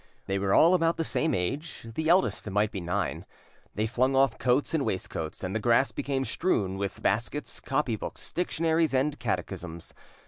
They were all about the same age, the eldest might be nine. They flung off coats and waistcoats, and the grass became strewn with baskets, copy books, dictionaries, and catechisms.